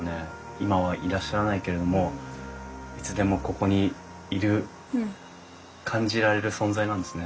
今はいらっしゃらないけれどもいつでもここにいる感じられる存在なんですね。